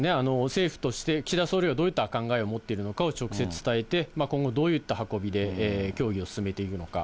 政府として、岸田総理がどういう考えを持っているのかを直接伝えて、今後どういった運びで協議を進めていくのか。